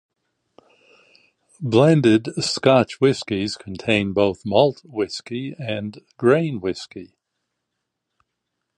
Blended Scotch whiskies contain both malt whisky and grain whisky.